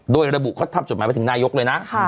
โดยระบุเขาทำจดหมายไปถึงนายกเลยนะ